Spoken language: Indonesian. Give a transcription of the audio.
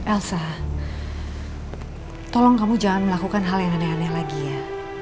elsa tolong kamu jangan melakukan hal yang aneh aneh lagi ya